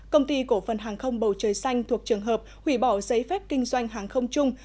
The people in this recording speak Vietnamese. công ty cổ phần hàng không bầu trời xanh thuộc trường hợp hủy bỏ giấy phép kinh doanh hàng không chung